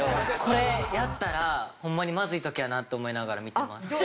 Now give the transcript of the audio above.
これやったらホンマにまずい時やなって思いながら見てます。